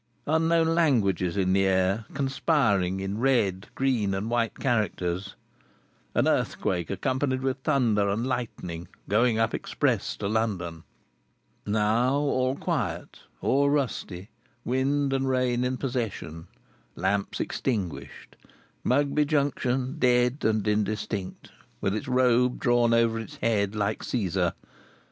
Unknown languages in the air, conspiring in red, green, and white characters. An earthquake accompanied with thunder and lightning, going up express to London. Now, all quiet, all rusty, wind and rain in possession, lamps extinguished, Mugby Junction dead and indistinct, with its robe drawn over its head, like Cæsar.